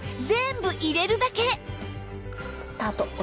全部入れるだけスタート。